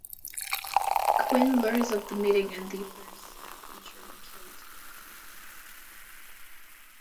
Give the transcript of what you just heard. Quinn learns of the meeting and then orders that Beecher be killed.